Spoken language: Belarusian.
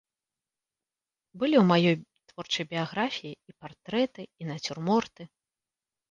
Былі ў маёй творчай біяграфіі і партрэты, і нацюрморты.